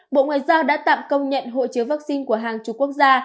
bộ ngoại giao đã tạm công nhận hộ chiếu vaccine của hàng chục quốc gia